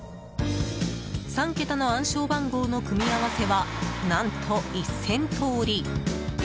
３桁の暗証番号の組み合わせは何と１０００通り。